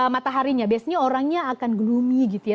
mataharinya biasanya orangnya akan gloomy gitu ya